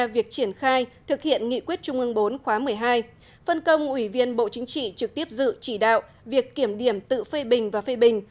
việc triển khai thực hiện nghị quyết trung ương bốn khóa một mươi hai phân công ủy viên bộ chính trị trực tiếp dự chỉ đạo việc kiểm điểm tự phê bình và phê bình